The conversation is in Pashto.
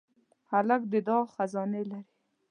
هلک د دعا خزانې لري.